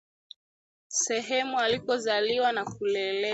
sehemu alikozaliwa na kulelewa